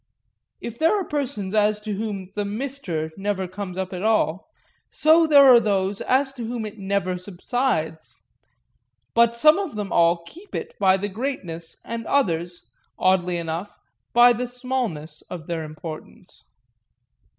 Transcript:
If there are persons as to whom the "Mr." never comes up at all, so there are those as to whom it never subsides; but some of them all keep it by the greatness and others, oddly enough, by the smallness of their importance.